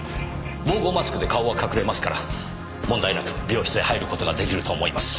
防護マスクで顔は隠れますから問題なく病室へ入る事ができると思います。